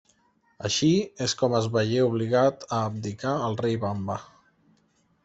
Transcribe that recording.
Així és com es veié obligat a abdicar el rei Vamba.